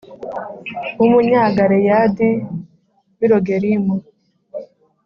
w Umunyagaleyadi w i Rogelimu